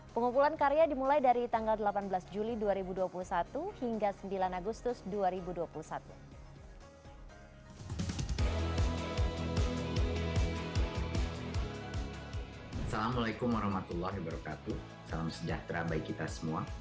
pengumpulan karya dimulai dari tanggal delapan belas juli dua ribu dua puluh satu hingga sembilan agustus dua ribu dua puluh satu